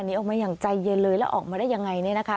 หนีออกมาอย่างใจเย็นเลยแล้วออกมาได้ยังไงเนี่ยนะคะ